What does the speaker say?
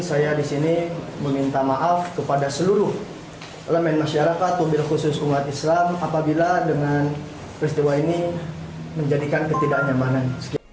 saya disini meminta maaf kepada seluruh elemen masyarakat mobil khusus kumulat islam apabila dengan peristiwa ini menjadikan ketidaknyamanan